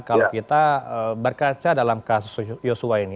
kalau kita berkaca dalam kasus yosua ini